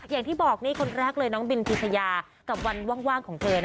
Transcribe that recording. อย่างที่บอกนี่คนแรกเลยน้องบินพิชยากับวันว่างของเธอ